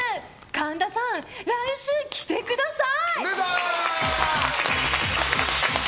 神田さん、来週着てください！